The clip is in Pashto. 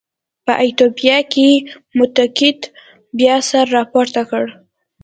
په ایتوپیا کې مطلقیت بیا سر راپورته کړ.